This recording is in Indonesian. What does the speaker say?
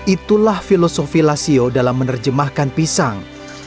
itulah filosofi lasio dalam menerjemahkan pisang